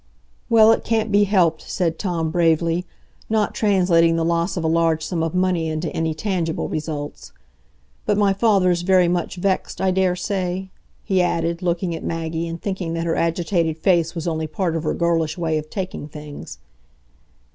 "Well, it can't be helped," said Tom, bravely, not translating the loss of a large sum of money into any tangible results. "But my father's very much vexed, I dare say?" he added, looking at Maggie, and thinking that her agitated face was only part of her girlish way of taking things.